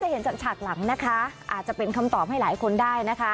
เห็นจากฉากหลังนะคะอาจจะเป็นคำตอบให้หลายคนได้นะคะ